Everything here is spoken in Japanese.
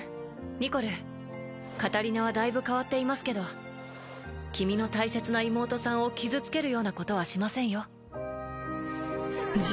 ニコルカタリナはだいぶ変わっていますけど君の大切な妹さんを傷つけるようなことはしませんよ。